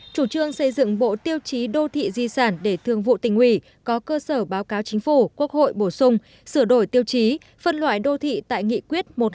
chủ trương xây dựng bộ tiêu chí đô thị di sản để thương vụ tỉnh ủy có cơ sở báo cáo chính phủ quốc hội bổ sung sửa đổi tiêu chí phân loại đô thị tại nghị quyết một trăm một mươi hai